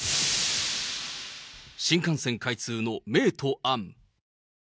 新幹線開通の明と暗。